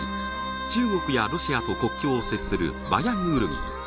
中国やロシアと国境を接するバヤンウルギー